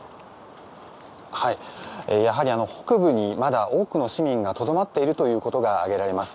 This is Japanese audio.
やはり北部にまだ多くの市民がとどまっているということが挙げられます。